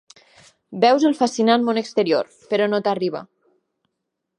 Veus el fascinant món exterior, però no t'arriba.